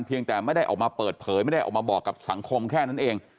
แต่ไม่ได้ออกมาเปิดเผยไม่ได้ออกมาบอกกับสังคมแค่นั้นเอง